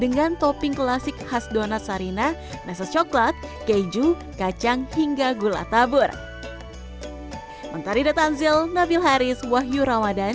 dengan topping klasik khas donat sarina meses coklat keju kacang hingga gula tabur